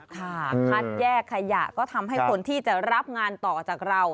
คัดแยกขยะก็ทำให้คนที่จะรับงานต่อจากเรา